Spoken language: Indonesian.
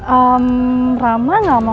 ehm rama gak mau